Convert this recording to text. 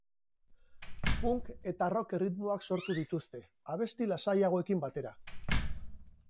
Punk eta rock erritmoak sortu dituzte, abesti lasaiagoekin batera.